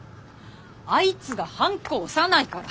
あいつがハンコ押さないから。